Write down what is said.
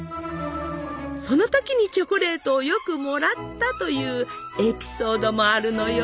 その時にチョコレートをよくもらったというエピソードもあるのよ！